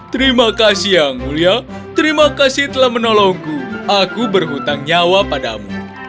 terima kasih yang mulia terima kasih telah menolongku aku berhutang nyawa padamu